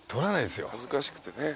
恥ずかしくてね。